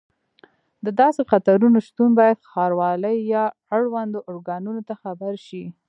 د داسې خطرونو شتون باید ښاروالۍ یا اړوندو ارګانونو ته خبر شي.